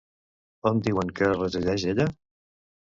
On diuen que resideix ella?